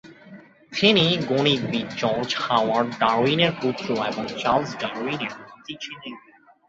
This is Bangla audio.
তিনি গণিতবিদ জর্জ হাওয়ার্ড ডারউইনের পুত্র এবং চার্লস ডারউইনের নাতি ছিলেন।